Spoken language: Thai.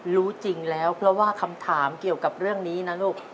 รู้จริงแล้วเพราะว่าคำถามเกี่ยวกับเรื่องนี้นะลูก